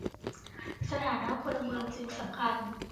สถานะพลเมืองจึงสำคัญ